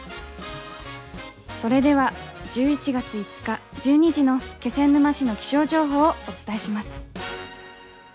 それでは１１月５日１２時の気仙沼市の気象情報をお伝えします。